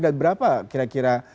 dan berapa kira kira